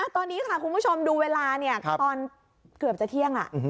ตอนนี้ค่ะคุณผู้ชมดูเวลาตอนเกือบจะเที่ยง